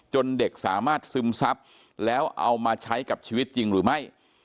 เด็กสามารถซึมซับแล้วเอามาใช้กับชีวิตจริงหรือไม่